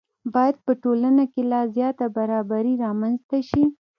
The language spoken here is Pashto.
باید په ټولنه کې لا زیاته برابري رامنځته شي.